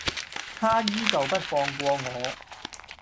他依舊不放過我